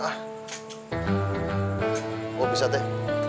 ah oh bisa teh